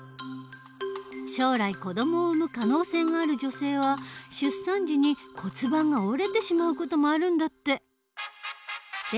将来子どもを産む可能性がある女性は出産時に骨盤が折れてしまう事もあるんだって。